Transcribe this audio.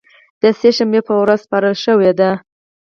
د سې شنبې په ورځ سپارل شوې ده